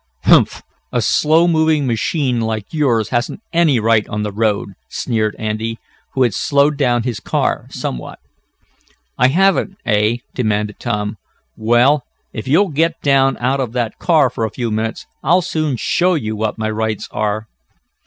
"Humph! A slow moving machine like yours hasn't any right on the road," sneered Andy, who had slowed down his car somewhat. "I haven't, eh?" demanded Tom. "Well, if you'll get down out of that car for a few minutes I'll soon show you what my rights are!"